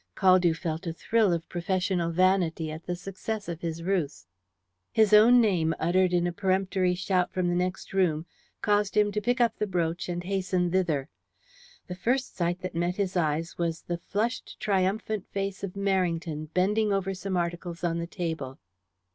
Caldew felt a thrill of professional vanity at the success of his ruse. His own name uttered in a peremptory shout from the next room caused him to pick up the brooch and hasten thither. The first sight that met his eye was the flushed triumphant face of Merrington bending over some articles on the table.